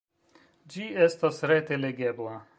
Ĝi estas rete legebla.